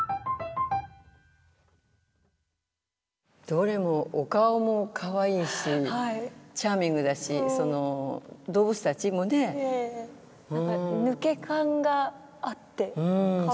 どれもお顔もかわいいしチャーミングだしその動物たちもね。抜け感があってかわいらしい。